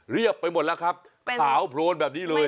ไปหมดแล้วครับขาวโพลนแบบนี้เลย